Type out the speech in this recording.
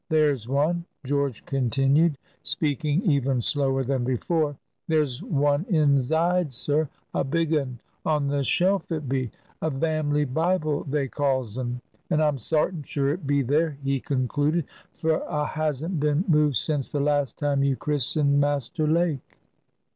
There's one," George continued, speaking even slower than before,—"there's one inzide, sir,—a big un. On the shelf it be. A Vamly Bible they calls un. And I'm sartin sure it be there," he concluded, "for a hasn't been moved since the last time you christened, Master Lake."